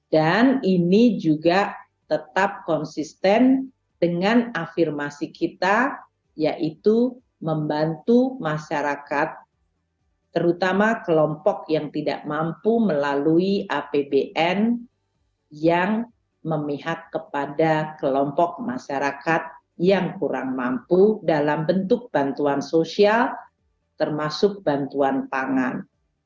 dan ini juga tetap konsisten dengan afirmasi kita yaitu membantu masyarakat terutama kelompok yang tidak mampu melalui apbn yang memihat kepada kelompok masyarakat yang kurang mampu dalam bentuk bantuan sosial termasuk bantuan tangan